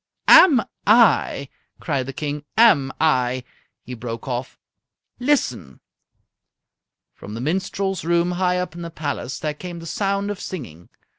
"Am I!" cried the King. "Am I!" He broke off. "Listen!" From the minstrels' room high up in the palace there came the sound of singing.